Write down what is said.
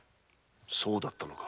そうだったのか。